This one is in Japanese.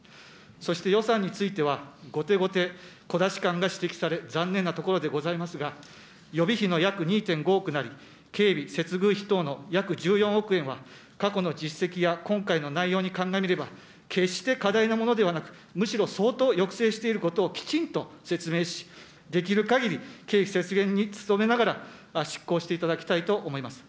そして予算については、後手後手、小出し感が指摘され、残念なところでございますが、予備費の約２．５億なり、警備接遇費等の約１４億円は、過去の実績や今回の内容に鑑みれば、決して過大なものではなく、むしろ相当抑制していることをきちんと説明し、できるかぎり経費節減に努めながら、執行していただきたいと思います。